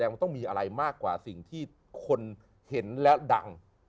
มันต้องมีอะไรมากกว่าสิ่งที่คนเห็นและดัง